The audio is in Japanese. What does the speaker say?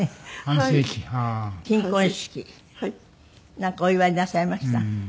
なんかお祝いなさいました？